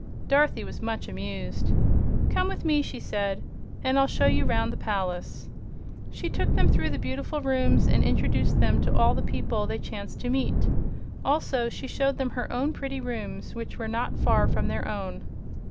Dorothy was much amused. "Come with me," she said, "and I'll show you 'round the palace." She took them through the beautiful rooms and introduced them to all the people they chanced to meet. Also she showed them her own pretty rooms, which were not far from their own.